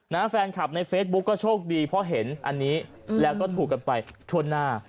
แฟนคลับในเฟซบุ๊กก็โชคดีเพราะเห็นอันนี้แล้วก็ถูกกันไปทั่วหน้า